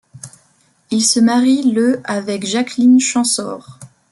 Il se marie le avec Jacqueline Champsaur.